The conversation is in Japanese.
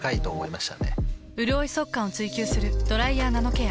うるおい速乾を追求する「ドライヤーナノケア」。